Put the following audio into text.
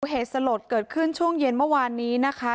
เหตุสลดเกิดขึ้นช่วงเย็นเมื่อวานนี้นะคะ